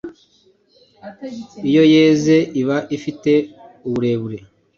iyo yeze iba ifite uburebure